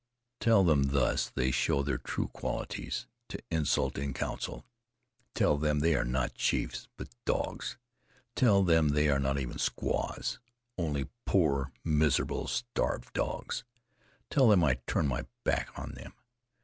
"Tell them thus they show their true qualities, to insult in council. Tell them they are not chiefs, but dogs. Tell them they are not even squaws, only poor, miserable starved dogs. Tell them I turn my back on them.